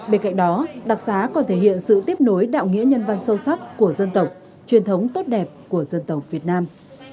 bên cạnh đó đặc xá còn thể hiện sự tiếp nối đạo nghĩa nhân văn sâu sắc của dân tộc truyền thống tốt đẹp của dân tộc việt nam